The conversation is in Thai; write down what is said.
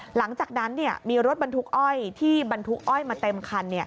หลังจากนั้นมีรถบรรทุกอ้อยที่บรรทุกอ้อยมาเต็มคัน